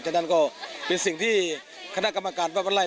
ฉะนั้นก็เป็นสิ่งที่คณะกรรมการป้องกันไล่